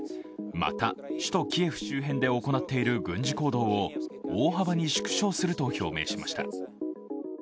また、首都キエフ周辺で行っている軍事行動を大幅に縮小すると表明しました。